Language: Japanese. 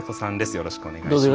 よろしくお願いします。